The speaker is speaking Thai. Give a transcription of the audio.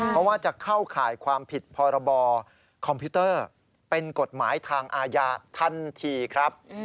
เพราะว่าจะเข้าข่ายความผิดพรบคอมพิวเตอร์เป็นกฎหมายทางอาญาทันทีครับ